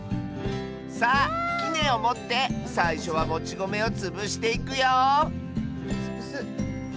さあきねをもってさいしょはもちごめをつぶしていくよつぶす。